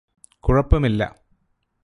കുഴപ്പമില്ല.